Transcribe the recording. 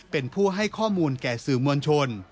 เป็นผู้ให้ข้อมูลแก่สื่อมวลชน